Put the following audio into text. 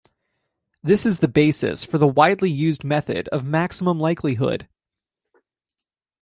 This is the basis for the widely used method of maximum likelihood.